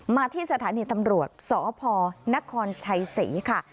มาที่สถานีตำรวจสพนครชัยศรีค่ะ